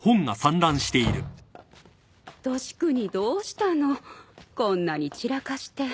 俊國どうしたのこんなに散らかして。